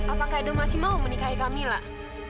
apa kak edo masih mau menikahi kamilah